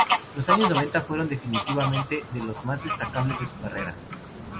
Los años noventa fueron, definitivamente, de los más destacables de su carrera.